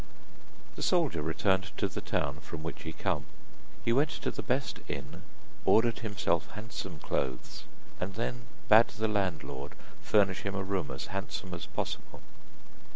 The soldier returned to the town from which he came. He went to the best inn, ordered himself handsome clothes, and then bade the landlord furnish him a room as handsome as possible.